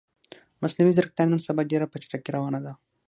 مصنوعی ځیرکتیا نن سبا ډیره په چټکې روانه ده